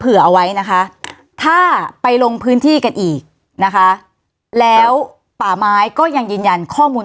ผมยังไม่ทราบเลยตอนนี้ที่เราวัดทั้งทั้งหมด